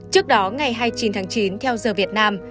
trước đó ngày hai mươi chín tháng chín theo giờ việt nam